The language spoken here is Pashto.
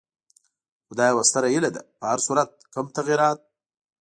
خو دا یوه ستره هیله ده، په هر صورت کوم تغیرات.